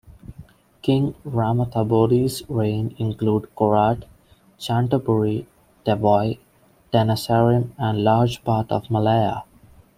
King Ramathabodi's reign included Korat, Chantaburi, Tavoy, Tenasserim, and large parts of Malaya.